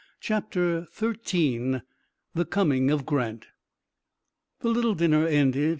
CHAPTER XIII THE COMING OF GRANT The little dinner ended.